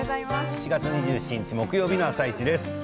７月２７日木曜日の「あさイチ」です。